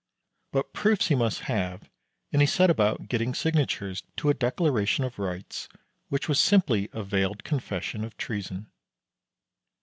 But proofs he must have, and he set about getting signatures to a declaration of rights which was simply a veiled confession of treason.